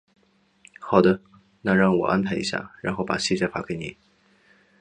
好的，那让我安排一下，然后把细节发给你。